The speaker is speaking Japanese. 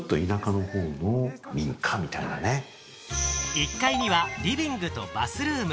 １階にはリビングとバスルーム。